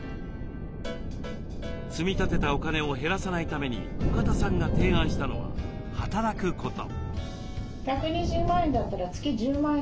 積み立てたお金を減らさないために深田さんが提案したのは働くこと。